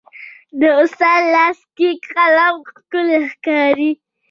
د استاد لاس کې قلم ښکلی ښکاري.